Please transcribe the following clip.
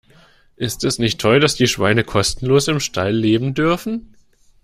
Ist es nicht toll, dass die Schweine kostenlos im Stall leben dürfen?